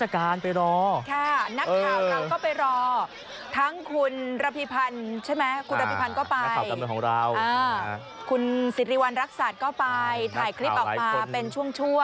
นักข่าวเราก็ไปรอทั้งคุณระภิพันธ์ก็ไปคุณสิริวัณรักษัตริย์ก็ไปถ่ายคลิปออกมาเป็นช่วง